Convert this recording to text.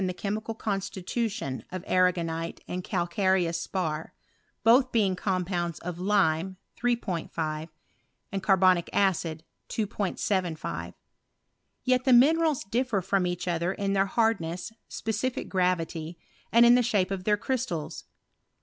the chemical constitution (rf arragonite and calcareous spar, both being coot pounds of Lime 3'5 Carbonic acid . 2 75 Tet the minerals differ from each other in their hani ness, specific gravity, and in the shape of their crys tals.